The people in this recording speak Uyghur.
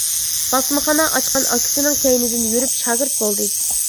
باسمىخانا ئاچقان ئاكىسىنىڭ كەينىدىن يۈرۈپ شاگىرت بولدى.